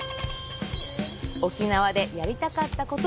沖縄でやりたかったこと。